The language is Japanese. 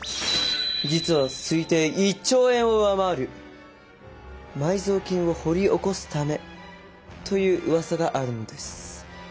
実は推定１兆円を上回る埋蔵金を掘り起こすためといううわさがあるのです。